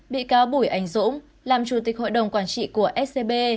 bị cáo bùi anh dũng làm chủ tịch hội đồng quản trị của scb